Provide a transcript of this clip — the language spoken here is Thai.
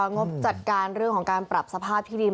งบจัดการเรื่องของการปรับสภาพที่ดิน